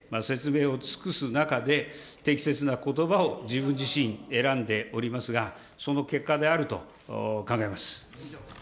それぞれ丁寧に国会において説明を尽くす中で、適切なことばを自分自身、選んでおりますが、その結果であると考えます。